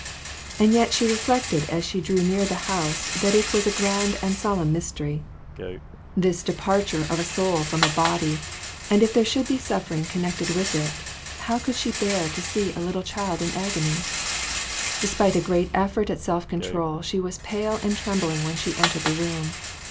And yet she reflected as she drew near the house that it was a great and solemn mystery, A MODERN MARTYR. 3/1 this departure of a soul from a body, and if there should be suffering connected with it, how could she bear to see a little child in agony ? Despite a great effort at self control she was pale and trem bling when she entered the room.